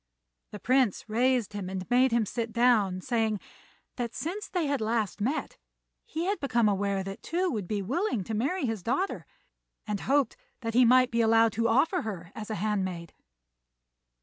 The Prince raised him and made him sit down, saying that since they had last met he had become aware that Tou would be willing to marry his daughter, and hoped that he might be allowed to offer her as a handmaid.